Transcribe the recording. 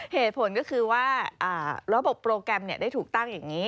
เหตุผลก็คือว่าระบบโปรแกรมได้ถูกตั้งอย่างนี้